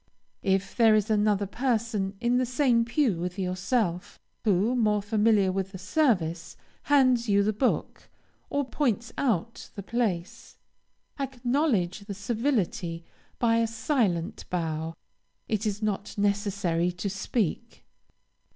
If there is another person in the same pew with yourself, who, more familiar with the service, hands you the book, or points out the place, acknowledge the civility by a silent bow; it is not necessary to speak.